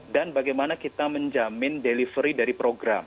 dan bagaimana kita menjamin delivery dari program